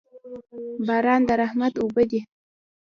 باران د رحمت اوبه دي